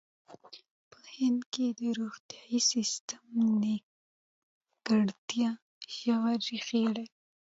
په هند کې د روغتیايي سیستم نیمګړتیا ژورې ریښې لري.